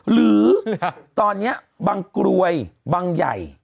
หรือตอนนี้บางกรวยบังใหญ่